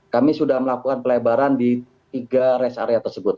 kami sudah melakukan pelebaran di tiga rest area tersebut